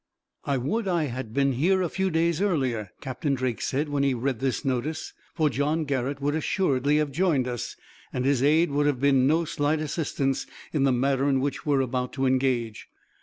"I would I had been here a few days earlier," Captain Drake said, when he read this notice, "for John Garrett would assuredly have joined us, and his aid would have been no slight assistance in the matter in which we are about to engage.